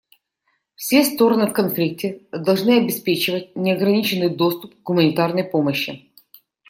Все стороны в конфликте должны обеспечивать неограниченный доступ к гуманитарной помощи.